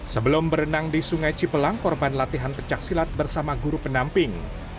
sebelum berenang di sungai cipelang korban latihan pecah silat bersama guru pendamping